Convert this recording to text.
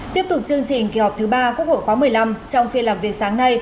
tiếp tục chương trình kỳ họp thứ ba quốc hội khóa một mươi năm trong phiên làm việc sáng nay